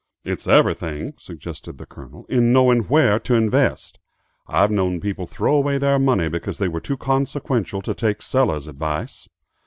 "It's everything," suggested the Colonel, "in knowing where to invest. I've known people throwaway their money because they were too consequential to take Sellers' advice.